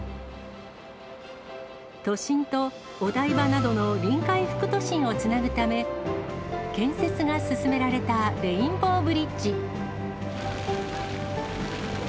都心とお台場などの臨海副都心をつなぐため、建設が進められたレインボーブリッジ。